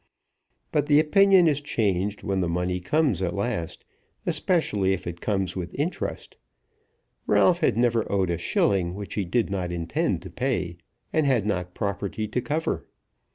But the opinion is changed when the money comes at last, especially if it comes with interest. Ralph had never owed a shilling which he did not intend to pay, and had not property to cover.